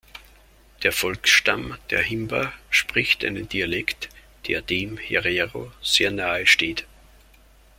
Der Volksstamm der Himba spricht einen Dialekt, der dem Herero sehr nahesteht.